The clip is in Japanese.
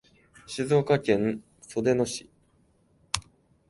静岡県裾野市